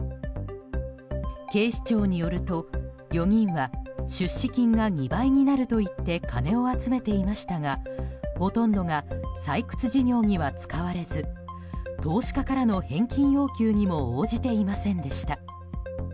警視庁によると４人は出資金が２倍になると言って金を集めていましたがほとんどが採掘事業には使われず投資家からの返金要求にも応じていませんでした。